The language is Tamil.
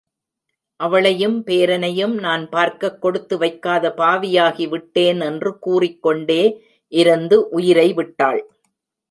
அவளையும், பேரனையும் நான் பார்க்கக் கொடுத்து வைக்காத பாவியாகி விட்டேன் என்று கூறிக்கொண்டே இருந்து உயிரை விட்டாள்.